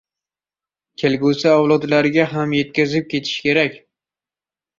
kelgusi avlodlarga ham yetkazib ketishi kerak.